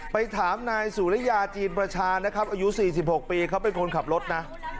ไปถามนายสุริยาจีนประชานะครับอายุ๔๖ปีเขาเป็นคนขับรถนะ